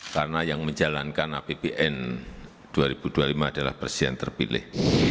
karena yang menjalankan rapbn dua ribu dua puluh lima adalah presiden terpilih